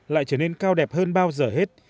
lại trở nên cao đẹp hơn bao giờ hết